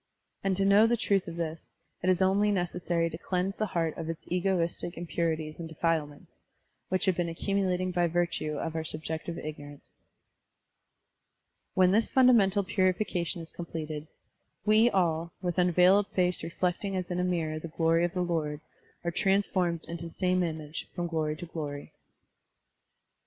And to know the truth of this, it is only necessary to cleanse the heart of its egoistic impurities and defilements, which have been accumulating by virtue of our subjective ignorance. When this fundamental piuification is completed, "we all, with tmveiled face reflect ing as in a mirror the glory of the Lord, are transformed into the same image, from glory to glory.'